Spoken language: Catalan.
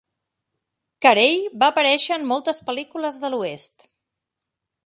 Carey va aparèixer en moltes pel·lícules de l'oest.